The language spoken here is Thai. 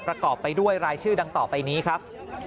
ประกอบไปด้วยรายชื่อดังต่อไปนี้ครับ